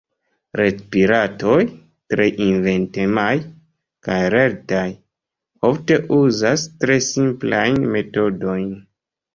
Retpiratoj, tre inventemaj kaj lertaj, ofte uzas tre simplajn metodojn.